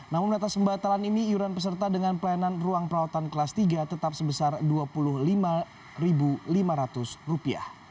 namun atas pembatalan ini iuran peserta dengan pelayanan ruang perawatan kelas tiga tetap sebesar rp dua puluh lima lima ratus